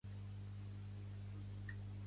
Pertany al moviment independentista la Pietat?